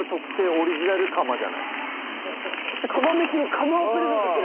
釜飯の釜をプレゼントする？